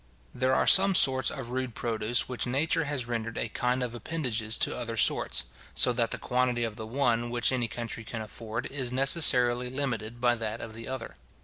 There are some sorts of rude produce which nature has rendered a kind of appendages to other sorts; so that the quantity of the one which any country can afford, is necessarily limited by that of the other.